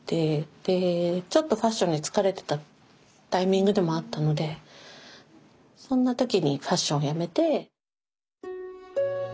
でちょっとファッションに疲れてたタイミングでもあったのでそんな時にファッションをやめて。